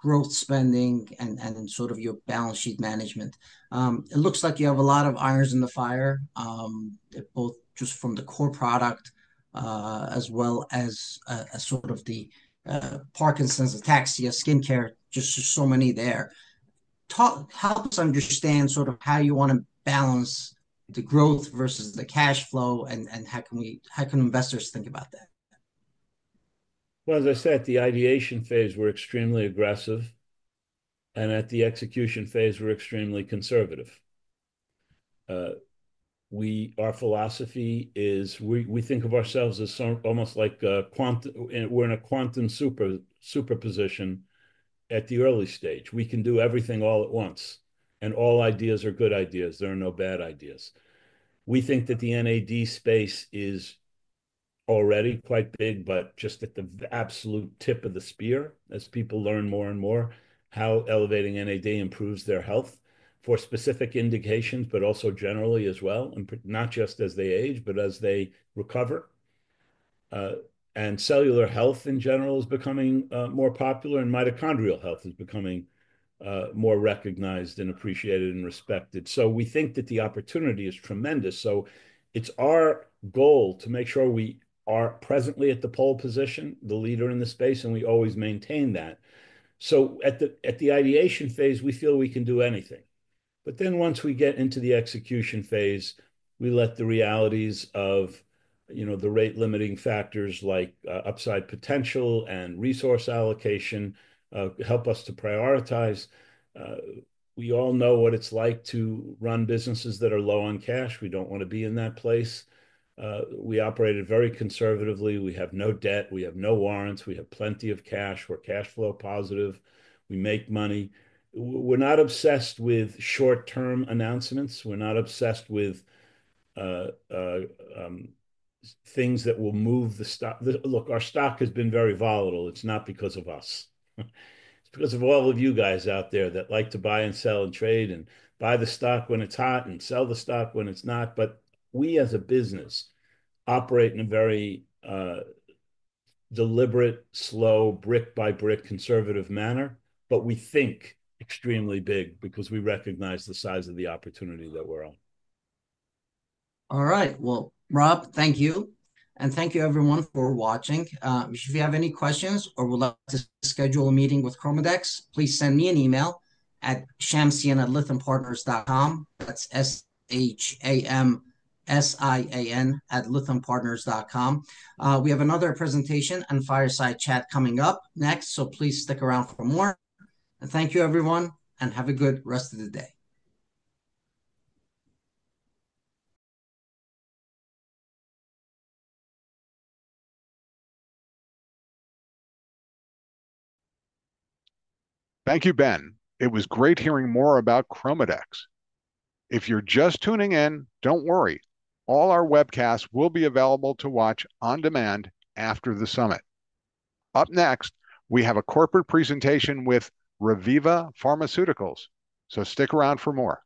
Growth spending and sort of your balance sheet management. It looks like you have a lot of irons in the fire, both just from the core product as well as sort of the Parkinson's, ataxia, skincare, just so many there. Help us understand sort of how you want to balance the growth versus the cash flow and how can investors think about that? As I said, the ideation phase, we're extremely aggressive, and at the execution phase, we're extremely conservative. Our philosophy is we think of ourselves as almost like we're in a quantum superposition. At the early stage, we can do everything all at once, and all ideas are good ideas. There are no bad ideas. We think that the NAD space is already quite big, but just at the absolute tip of the spear as people learn more and more how elevating NAD improves their health for specific indications, but also generally as well, and not just as they age, but as they recover, and cellular health in general is becoming more popular, and mitochondrial health is becoming more recognized and appreciated and respected, so we think that the opportunity is tremendous. It's our goal to make sure we are presently at the pole position, the leader in the space, and we always maintain that. So at the ideation phase, we feel we can do anything. But then once we get into the execution phase, we let the realities of the rate limiting factors like upside potential and resource allocation help us to prioritize. We all know what it's like to run businesses that are low on cash. We don't want to be in that place. We operate very conservatively. We have no debt. We have no warrants. We have plenty of cash. We're cash flow positive. We make money. We're not obsessed with short-term announcements. We're not obsessed with things that will move the stock. Look, our stock has been very volatile. It's not because of us. It's because of all of you guys out there that like to buy and sell and trade and buy the stock when it's hot and sell the stock when it's not. But we as a business operate in a very deliberate, slow, brick-by-brick conservative manner, but we think extremely big because we recognize the size of the opportunity that we're on. All right. Well, Rob, thank you. And thank you, everyone, for watching. If you have any questions or would like to schedule a meeting with ChromaDex, please send me an email at shamsian@lythampartners.com. That's shamsian@lythampartners.com. We have another presentation and fireside chat coming up next, so please stick around for more. And thank you, everyone, and have a good rest of the day. Thank you, Ben. It was great hearing more about ChromaDex. If you're just tuning in, don't worry. All our webcasts will be available to watch on demand after the summit. Up next, we have a corporate presentation with Reviva Pharmaceuticals. So stick around for more.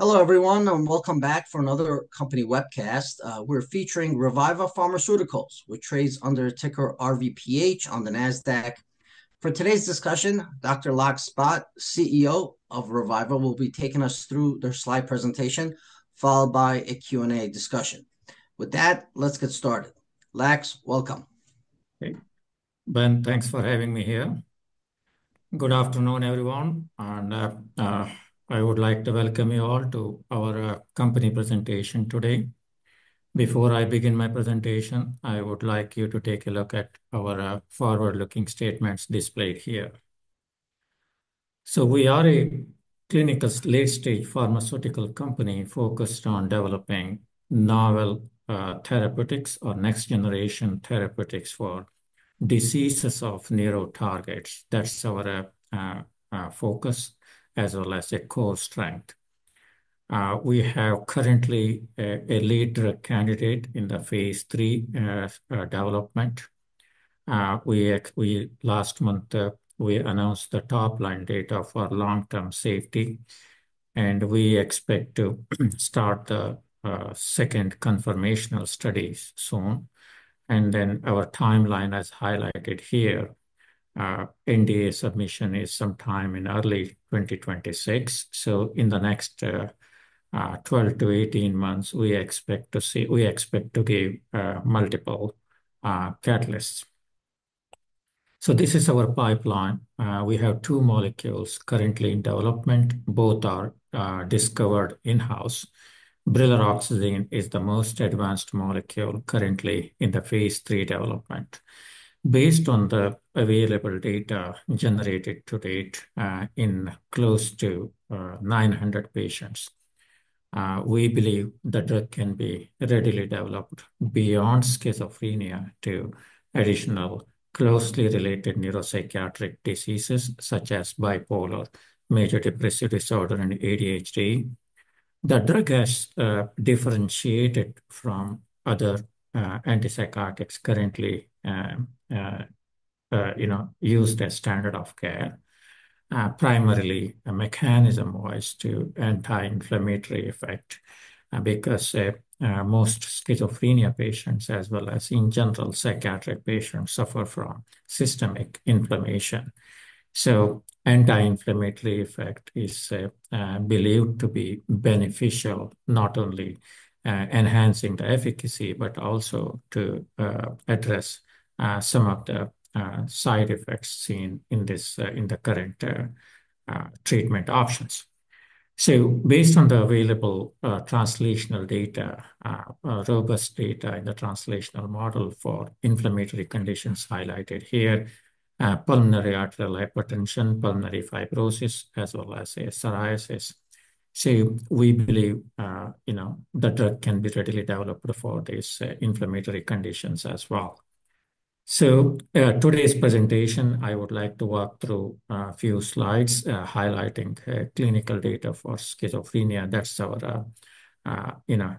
Hello, everyone, and welcome back for another company webcast. We're featuring Reviva Pharmaceuticals, which trades under a ticker RVPH on the NASDAQ. For today's discussion, Dr. Lax Bhat, CEO of Reviva, will be taking us through their slide presentation, followed by a Q&A discussion. With that, let's get started. Lax, welcome. Hey, Ben, thanks for having me here. Good afternoon, everyone. I would like to welcome you all to our company presentation today. Before I begin my presentation, I would like you to take a look at our forward-looking statements displayed here. We are a clinical late-stage pharmaceutical company focused on developing novel therapeutics or next-generation therapeutics for diseases of narrow targets. That's our focus as well as a core strength. We have currently a lead candidate in phase III development. Last month, we announced the top-line data for long-term safety. We expect to start the second confirmatory studies soon. Our timeline, as highlighted here, NDA submission is sometime in early 2026. In the next 12-18 months, we expect to give multiple catalysts. This is our pipeline. We have two molecules currently in development. Both are discovered in-house. Brilaroxazine is the most advanced molecule currently in phase III development. Based on the available data generated to date in close to 900 patients, we believe the drug can be readily developed beyond schizophrenia to additional closely related neuropsychiatric diseases such as bipolar, major depressive disorder, and ADHD. The drug has differentiated from other antipsychotics currently used as standard of care. Primarily, a mechanism was to anti-inflammatory effect because most schizophrenia patients, as well as in general psychiatric patients, suffer from systemic inflammation. So anti-inflammatory effect is believed to be beneficial, not only enhancing the efficacy, but also to address some of the side effects seen in the current treatment options. So based on the available translational data, robust data in the translational model for inflammatory conditions highlighted here, pulmonary arterial hypertension, pulmonary fibrosis, as well as psoriasis. We believe the drug can be readily developed for these inflammatory conditions as well. Today's presentation, I would like to walk through a few slides highlighting clinical data for schizophrenia. That's our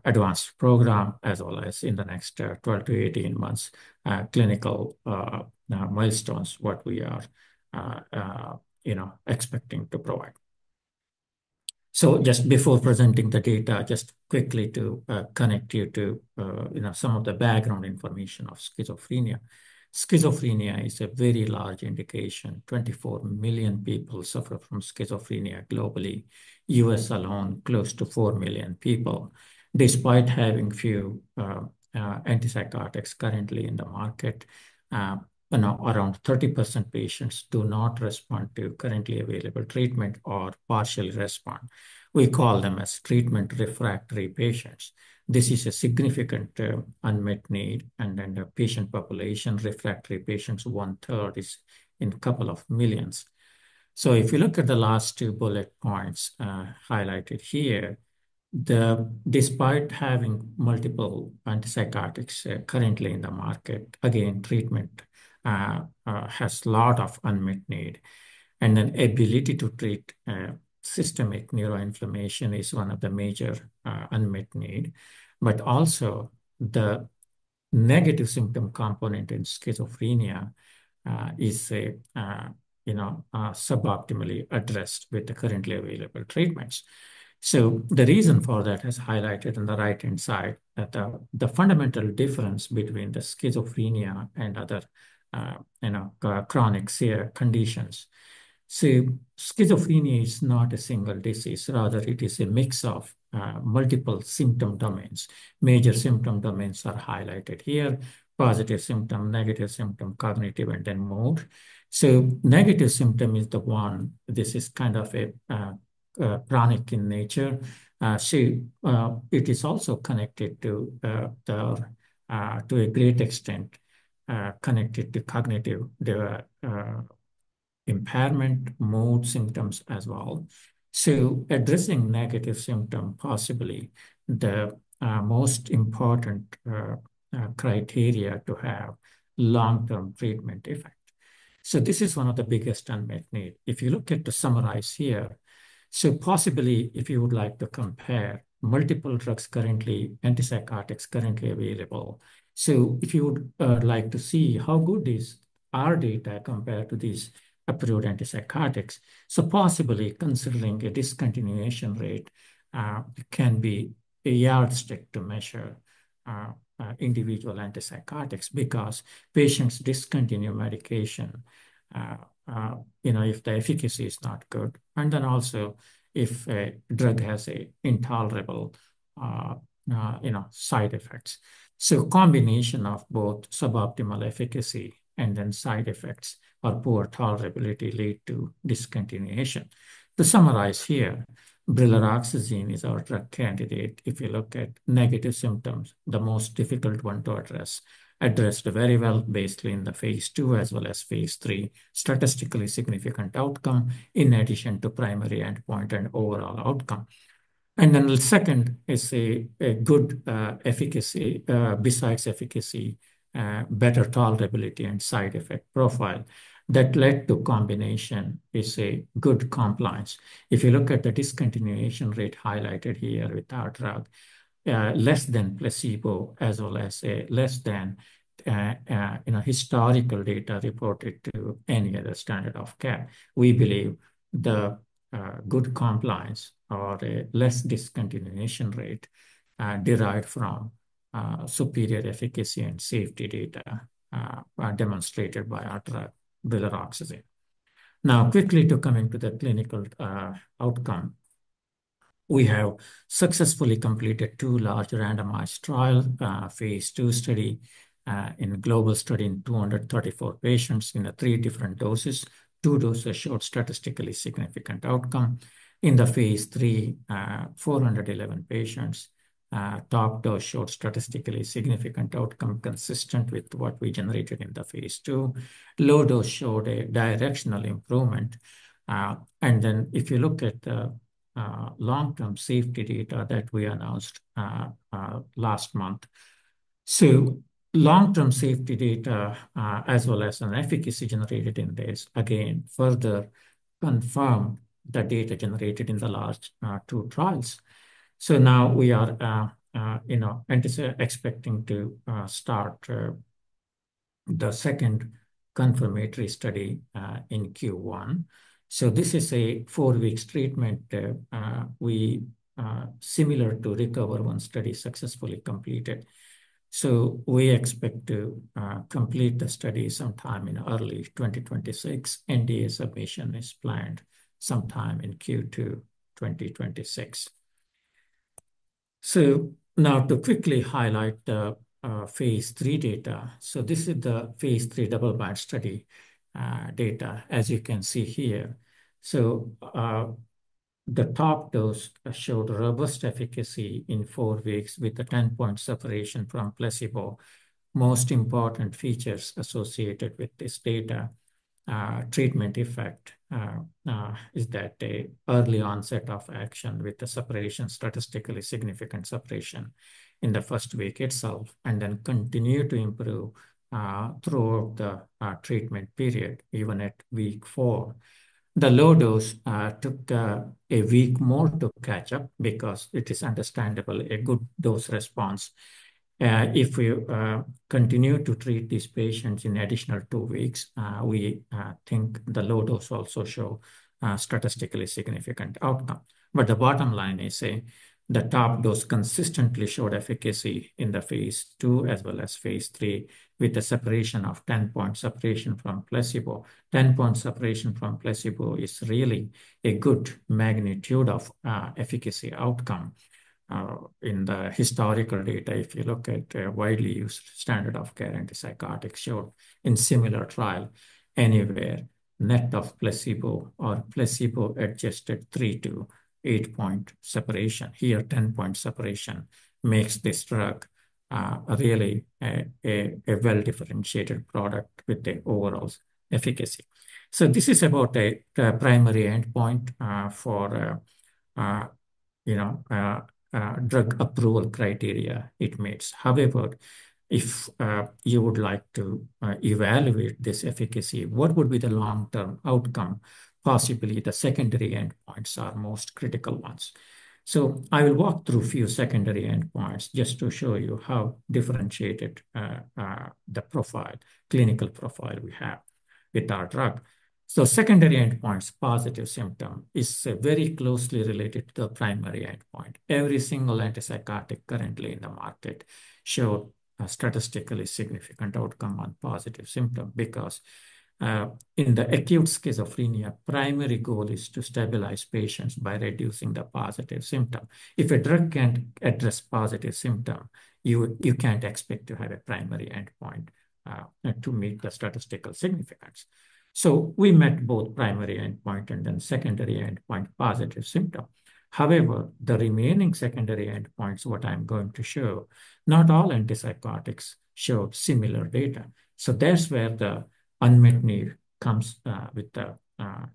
advanced program, as well as in the next 12-18 months, clinical milestones, what we are expecting to provide. Just before presenting the data, just quickly to connect you to some of the background information of schizophrenia. Schizophrenia is a very large indication. 24 million people suffer from schizophrenia globally. U.S. alone, close to 4 million people. Despite having few antipsychotics currently in the market, around 30% of patients do not respond to currently available treatment or partially respond. We call them as treatment refractory patients. This is a significant unmet need. And then the patient population, refractory patients, 1/3 is in a couple of millions. So if you look at the last two bullet points highlighted here, despite having multiple antipsychotics currently in the market, again, treatment has a lot of unmet need. And then ability to treat systemic neuroinflammation is one of the major unmet needs. But also, the negative symptom component in schizophrenia is suboptimally addressed with the currently available treatments. So the reason for that is highlighted on the right-hand side at the fundamental difference between the schizophrenia and other chronic severe conditions. So schizophrenia is not a single disease. Rather, it is a mix of multiple symptom domains. Major symptom domains are highlighted here: positive symptom, negative symptom, cognitive, and then mood. So negative symptom is the one this is kind of chronic in nature. So it is also connected to a great extent to cognitive impairment, mood symptoms as well. Addressing negative symptom, possibly the most important criteria to have long-term treatment effect. This is one of the biggest unmet needs. If you look at, to summarize here, possibly if you would like to compare multiple drugs currently, antipsychotics currently available. If you would like to see how good is our data compared to these approved antipsychotics, possibly considering a discontinuation rate can be a yardstick to measure individual antipsychotics because patients discontinue medication if the efficacy is not good. And then also if a drug has intolerable side effects. Combination of both suboptimal efficacy and then side effects or poor tolerability lead to discontinuation. To summarize here, brilaroxazine is our drug candidate. If you look at negative symptoms, the most difficult one to address, addressed very well based in the phase II as well as phase III, statistically significant outcome in addition to primary endpoint and overall outcome. And then the second is a good efficacy besides efficacy, better tolerability and side effect profile. That led to combination is a good compliance. If you look at the discontinuation rate highlighted here with our drug, less than placebo as well as less than historical data reported to any other standard of care. We believe the good compliance or less discontinuation rate derived from superior efficacy and safety data demonstrated by our drug, brilaroxazine. Now, quickly to coming to the clinical outcome, we have successfully completed two large randomized trials, phase II study in global study in 234 patients in three different doses. Two doses showed statistically significant outcome. In the phase III, 411 patients, top dose showed statistically significant outcome consistent with what we generated in the phase II. Low dose showed a directional improvement. And then if you look at the long-term safety data that we announced last month, so long-term safety data as well as an efficacy generated in this, again, further confirmed the data generated in the last two trials. Now we are expecting to start the second confirmatory study in Q1. This is a four-week treatment, similar to RECOVER-1 study successfully completed. We expect to complete the study sometime in early 2026. NDA submission is planned sometime in Q2 2026. Now to quickly highlight the phase III data. This is the phase III double-blind study data, as you can see here. The top dose showed robust efficacy in four weeks with a 10-point separation from placebo. Most important features associated with this data, treatment effect is that early onset of action with the separation, statistically significant separation in the first week itself, and then continue to improve throughout the treatment period, even at week four. The low dose took a week more to catch up because it is understandable a good dose response. If we continue to treat these patients in additional two weeks, we think the low dose also show statistically significant outcome. But the bottom line is the top dose consistently showed efficacy in the phase II as well as phase III with the separation of 10-point separation from placebo. 10-point separation from placebo is really a good magnitude of efficacy outcome in the historical data. If you look at widely used standard of care, antipsychotics showed in similar trial anywhere net of placebo or placebo-adjusted three to eight-point separation. Here, 10-point separation makes this drug really a well-differentiated product with the overall efficacy. This is about a primary endpoint for drug approval criteria. It meets. However, if you would like to evaluate this efficacy, what would be the long-term outcome? Possibly the secondary endpoints are most critical ones. I will walk through a few secondary endpoints just to show you how differentiated the clinical profile we have with our drug. Secondary endpoints: positive symptom is very closely related to the primary endpoint. Every single antipsychotic currently in the market showed statistically significant outcome on positive symptom because in the acute schizophrenia, primary goal is to stabilize patients by reducing the positive symptom. If a drug can't address positive symptom, you can't expect to have a primary endpoint to meet the statistical significance. We met both primary endpoint and then secondary endpoint positive symptom. However, the remaining secondary endpoints, what I'm going to show, not all antipsychotics showed similar data. So that's where the unmet need comes with the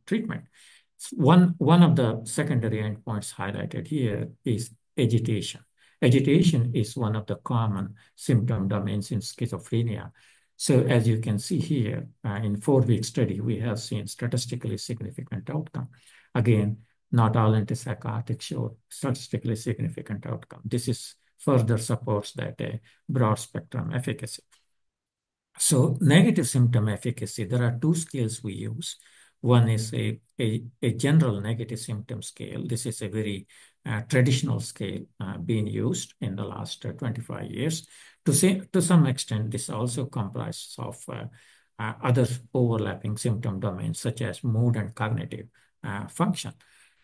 treatment. One of the secondary endpoints highlighted here is agitation. Agitation is one of the common symptom domains in schizophrenia. So as you can see here, in four-week study, we have seen statistically significant outcome. Again, not all antipsychotics showed statistically significant outcome. This further supports that broad spectrum efficacy. So negative symptom efficacy, there are two scales we use. One is a general negative symptom scale. This is a very traditional scale being used in the last 25 years. To some extent, this also comprises of other overlapping symptom domains such as mood and cognitive function.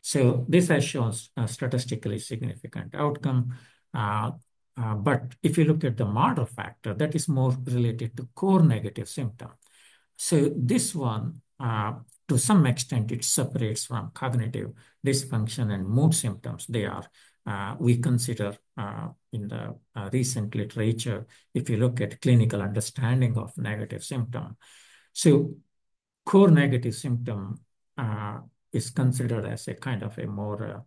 So this has shown statistically significant outcome. But if you look at the Marder factor, that is more related to core negative symptom. So this one, to some extent, it separates from cognitive dysfunction and mood symptoms. We consider in the recent literature, if you look at clinical understanding of negative symptom, so core negative symptom is considered as a kind of a more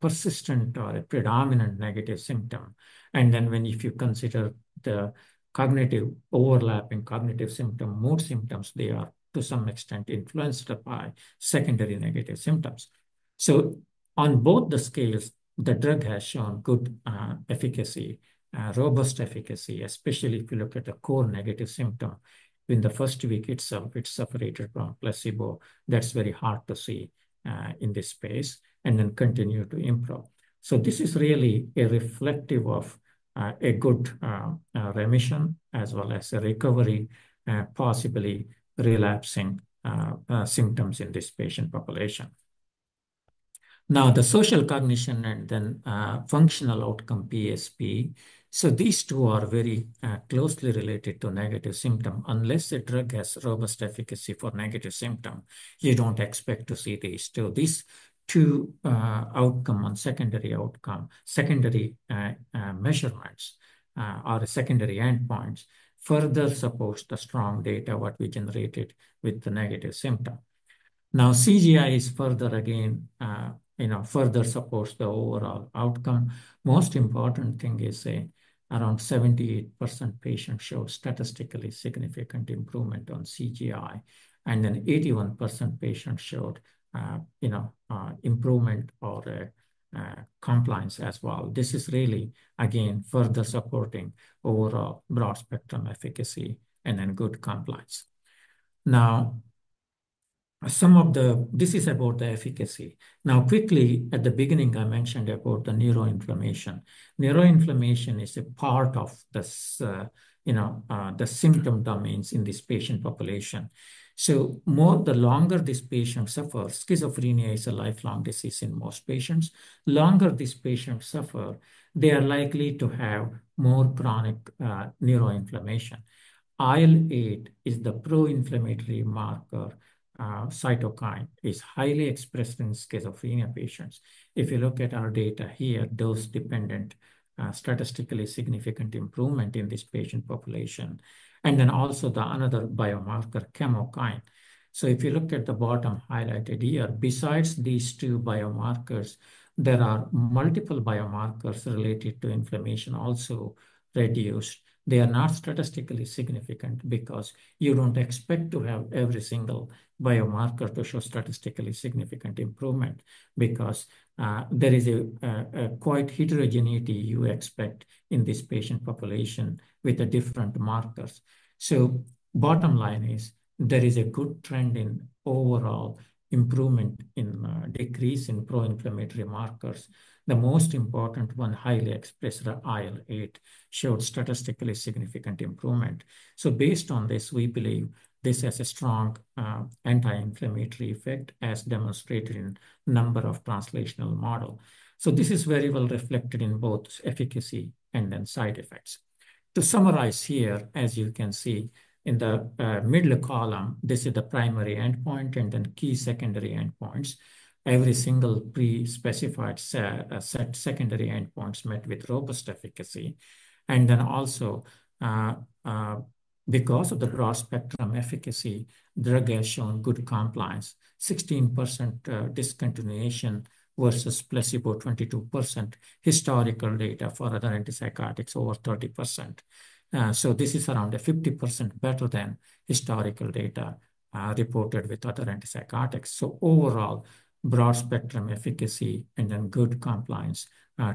persistent or a predominant negative symptom. And then when if you consider the cognitive overlapping cognitive symptom, mood symptoms, they are to some extent influenced by secondary negative symptoms. So on both the scales, the drug has shown good efficacy, robust efficacy, especially if you look at the core negative symptom. In the first week itself, it separated from placebo. That's very hard to see in this space and then continue to improve. So this is really a reflective of a good remission as well as a recovery, possibly relapsing symptoms in this patient population. Now, the social cognition and then functional outcome, PSP. So these two are very closely related to negative symptom. Unless a drug has robust efficacy for negative symptom, you don't expect to see these two. These two outcome on secondary measurements or secondary endpoints further supports the strong data what we generated with the negative symptom. Now, CGI is further again, further supports the overall outcome. Most important thing is around 78% patients show statistically significant improvement on CGI. And then 81% patients showed improvement or compliance as well. This is really, again, further supporting overall broad spectrum efficacy and then good compliance. Now, this is about the efficacy. Now, quickly at the beginning, I mentioned about the neuroinflammation. Neuroinflammation is a part of the symptom domains in this patient population. So the longer this patient suffers, schizophrenia is a lifelong disease in most patients. Longer this patient suffers, they are likely to have more chronic neuroinflammation. IL-8 is the pro-inflammatory marker. Cytokine is highly expressed in schizophrenia patients. If you look at our data here, dose-dependent statistically significant improvement in this patient population, and then also another biomarker, chemokine, so if you look at the bottom highlighted here, besides these two biomarkers, there are multiple biomarkers related to inflammation also reduced. They are not statistically significant because you don't expect to have every single biomarker to show statistically significant improvement because there is quite a heterogeneity you expect in this patient population with different markers, so bottom line is there is a good trend in overall improvement in the decrease in pro-inflammatory markers. The most important one, highly expressed IL-8, showed statistically significant improvement, so based on this, we believe this has a strong anti-inflammatory effect as demonstrated in a number of translational models, so this is very well reflected in both efficacy and then side effects. To summarize here, as you can see in the middle column, this is the primary endpoint and then key secondary endpoints. Every single pre-specified secondary endpoints met with robust efficacy, and then also because of the broad spectrum efficacy, drug has shown good compliance, 16% discontinuation versus placebo, 22% historical data for other antipsychotics over 30%. So this is around 50% better than historical data reported with other antipsychotics, so overall, broad spectrum efficacy and then good compliance,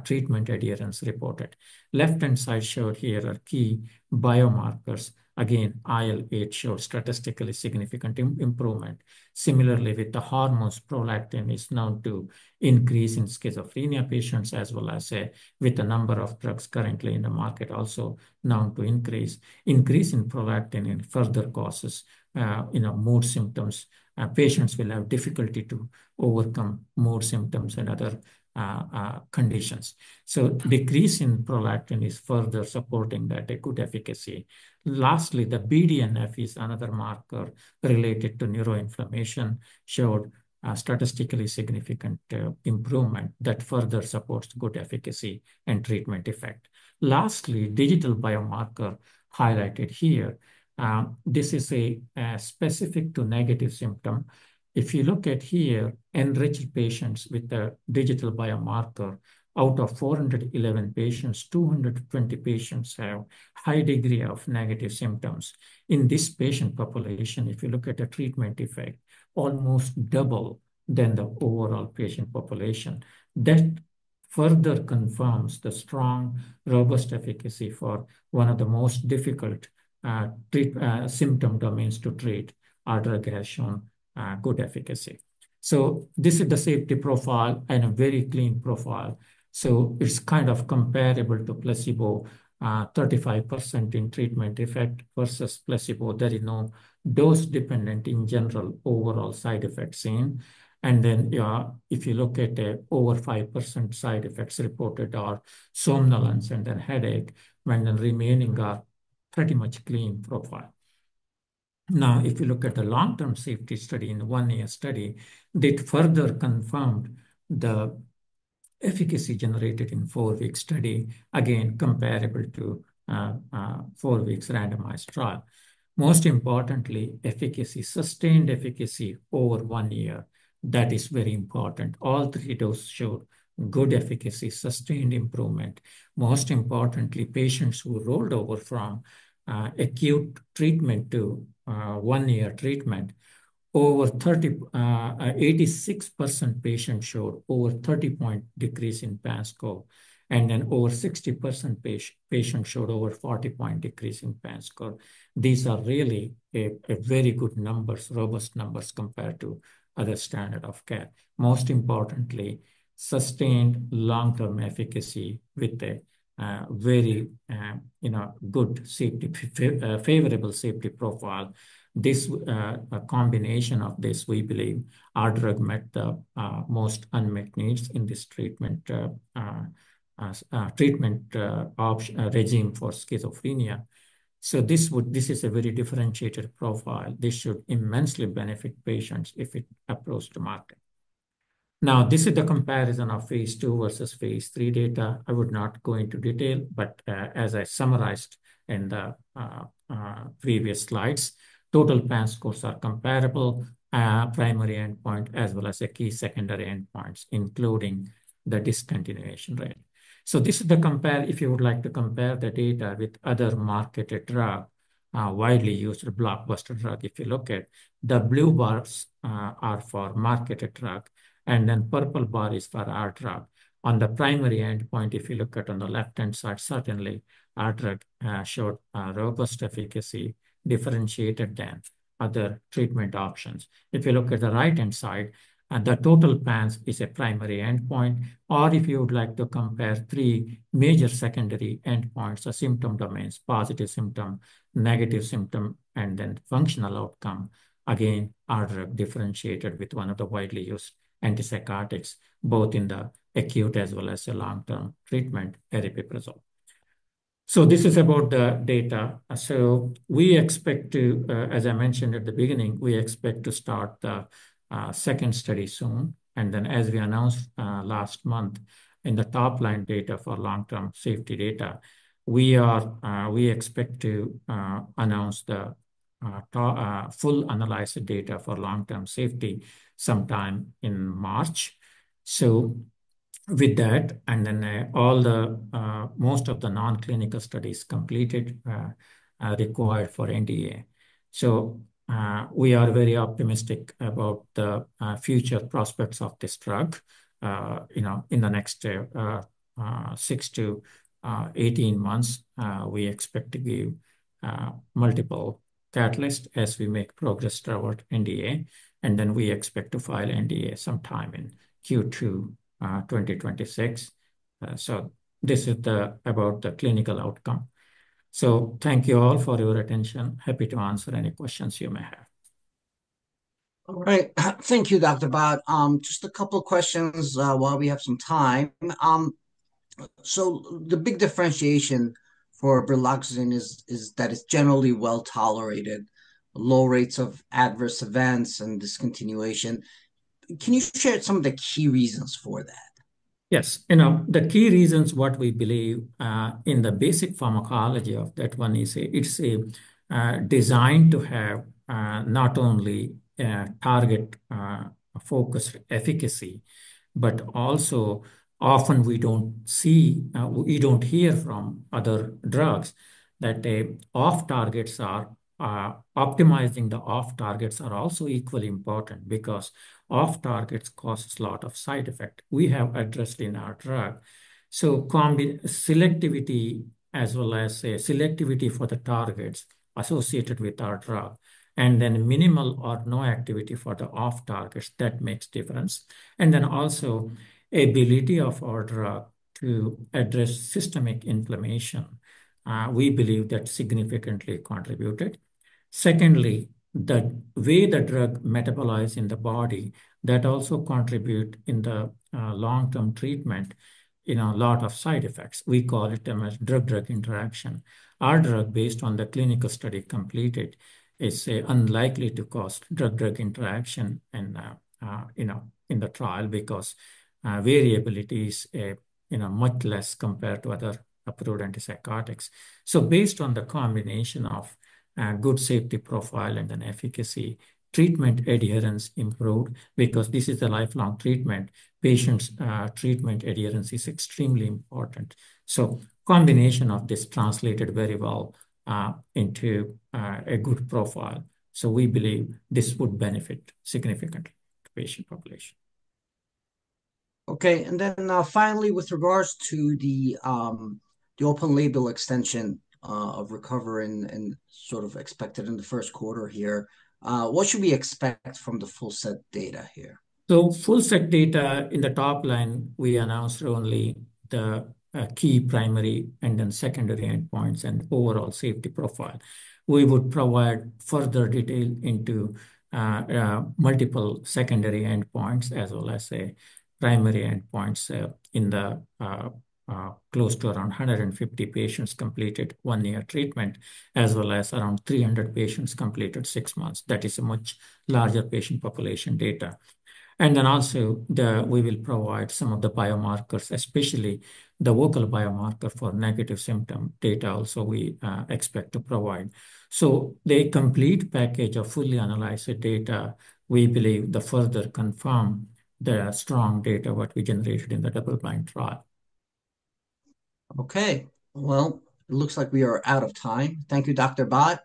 treatment adherence reported. Left-hand side showed here are key biomarkers. Again, IL-8 showed statistically significant improvement. Similarly, with the hormones, prolactin is known to increase in schizophrenia patients as well as with the number of drugs currently in the market also known to increase. Increase in prolactin further causes mood symptoms. Patients will have difficulty to overcome mood symptoms and other conditions. So, decrease in prolactin is further supporting that a good efficacy. Lastly, the BDNF is another marker related to neuroinflammation showed statistically significant improvement that further supports good efficacy and treatment effect. Lastly, digital biomarker highlighted here. This is specific to negative symptom. If you look at here, enriched patients with a digital biomarker, out of 411 patients, 220 patients have high degree of negative symptoms. In this patient population, if you look at the treatment effect, almost double than the overall patient population. That further confirms the strong, robust efficacy for one of the most difficult symptom domains to treat. Our drug has shown good efficacy. So this is the safety profile and a very clean profile. So it's kind of comparable to placebo, 35% in treatment effect versus placebo. There is no dose-dependent in general overall side effect seen. And then, if you look at over 5% side effects reported are somnolence and then headache, when the remaining are pretty much clean profile. Now, if you look at the long-term safety study, one-year study, it further confirmed the efficacy generated in four-week study, again, comparable to four-weeks randomized trial. Most importantly, efficacy, sustained efficacy over one year, that is very important. All three doses showed good efficacy, sustained improvement. Most importantly, patients who rolled over from acute treatment to one-year treatment, over 86% patients showed over 30-point decrease in PANSS score. And then over 60% patients showed over 40-point decrease in PANSS score. These are really very good numbers, robust numbers compared to other standard of care. Most importantly, sustained long-term efficacy with a very good safety, favorable safety profile. This combination of this, we believe, our drug met the most unmet needs in this treatment regimen for schizophrenia. So this is a very differentiated profile. This should immensely benefit patients if it approached the market. Now, this is the comparison of phase II versus phase III data. I would not go into detail, but as I summarized in the previous slides, total PANSS scores are comparable, primary endpoint as well as a key secondary endpoints, including the discontinuation rate. So this is the compare, if you would like to compare the data with other marketed drug, widely used blockbuster drug, if you look at the blue bars are for marketed drug, and then purple bar is for our drug. On the primary endpoint, if you look at on the left-hand side, certainly our drug showed robust efficacy differentiated than other treatment options. If you look at the right-hand side, the total PANSS is a primary endpoint, or if you would like to compare three major secondary endpoints or symptom domains, positive symptom, negative symptom, and then functional outcome, again, our drug differentiated with one of the widely used antipsychotics, both in the acute as well as the long-term treatment, aripiprazole, so this is about the data, so we expect to, as I mentioned at the beginning, we expect to start the second study soon, and then as we announced last month in the top line data for long-term safety data, we expect to announce the full analysis data for long-term safety sometime in March, so with that, and then most of the non-clinical studies completed required for NDA, so we are very optimistic about the future prospects of this drug. In the next six to 18 months, we expect to give multiple catalysts as we make progress toward NDA, and then we expect to file NDA sometime in Q2 2026, so this is about the clinical outcome, so thank you all for your attention. Happy to answer any questions you may have. All right. Thank you, Dr. Bhat. Just a couple of questions while we have some time, so the big differentiation for brilaroxazine is that it's generally well tolerated, low rates of adverse events and discontinuation. Can you share some of the key reasons for that? Yes. The key reasons what we believe in the basic pharmacology of that one is it's designed to have not only target-focused efficacy, but also often we don't see, we don't hear from other drugs that the off-targets are optimizing. The off-targets are also equally important because off-targets cause a lot of side effects. We have addressed in our drug. So selectivity as well as selectivity for the targets associated with our drug, and then minimal or no activity for the off-targets, that makes difference, and then also ability of our drug to address systemic inflammation, we believe that significantly contributed. Secondly, the way the drug metabolizes in the body, that also contributes in the long-term treatment, a lot of side effects. We call it drug-drug interaction. Our drug, based on the clinical study completed, is unlikely to cause drug-drug interaction in the trial because variability is much less compared to other approved antipsychotics, so based on the combination of good safety profile and then efficacy, treatment adherence improved because this is a lifelong treatment. Patients' treatment adherence is extremely important. Combination of this translated very well into a good profile. We believe this would benefit significantly to patient population. Okay. And then finally, with regards to the open label extension of RECOVER and sort of expected in the first quarter here, what should we expect from the full set data here? Full set data in the top line, we announced only the key primary and then secondary endpoints and overall safety profile. We would provide further detail into multiple secondary endpoints as well as primary endpoints in the close to around 150 patients completed one-year treatment as well as around 300 patients completed six months. That is a much larger patient population data. And then also we will provide some of the biomarkers, especially the vocal biomarker for negative symptom data also we expect to provide. So the complete package of fully analyzed data, we believe the further confirm the strong data what we generated in the double-blind trial. Okay. Well, it looks like we are out of time. Thank you, Dr. Bhat.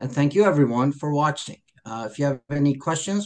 And thank you, everyone, for watching. If you have any questions.